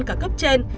cả cấp trên